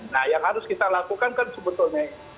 nah yang harus kita lakukan kan sebetulnya